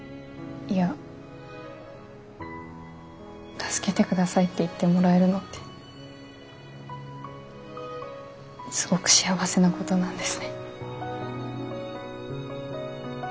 助けてくださいって言ってもらえるのってすごく幸せなことなんですね。